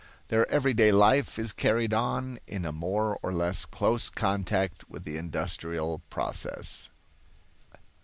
Their everyday life is carried on in a more or less close contact with the industrial process.